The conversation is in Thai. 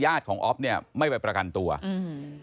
และก็จะรับความจริงของตัวเอง